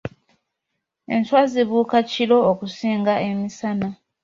Enswa zibuuka kiro okusinga emisana.